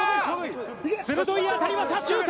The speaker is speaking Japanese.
鋭い当たりは左中間！